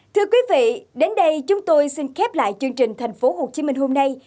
thưa quý vị đến đây chúng tôi xin khép lại chương trình thành phố hồ chí minh hôm nay